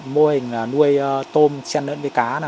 mô hình nuôi tôm xe lẫn vế cá